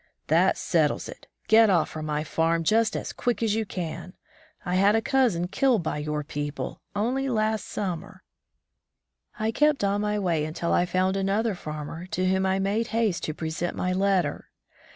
That settles it. Get oflf from my farm just as quick as you can! I had a cousin killed by your people only last summer." I kept on my way until I found another farmer to whom I made haste to present my letter.